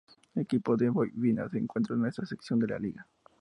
Equipos de Voivodina se encuentran en esta sección de la liga.